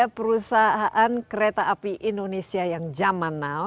untuk mengetahui perkembangan perusahaan kereta api indonesia yang zaman now